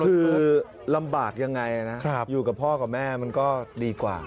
คือลำบากยังไงนะอยู่กับพ่อกับแม่มันก็ดีกว่า